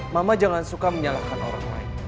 mama jangan suka menyalahkan orang lain